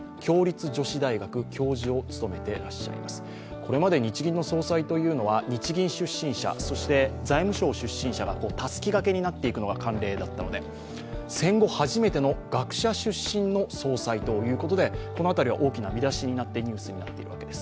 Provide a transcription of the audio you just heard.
これまで日銀総裁というのは日銀出身者、財務省出身者がたすき掛けになっていくのが慣例だったので、戦後初めての学者出身の総裁ということでこの辺りは大きな見出しになってニュースになっているわけです。